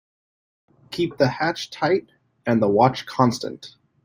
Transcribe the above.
Keep the hatch tight and the watch constant.